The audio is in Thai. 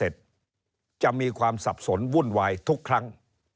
จะมีความสับสนวุ่นวายทุกครั้ง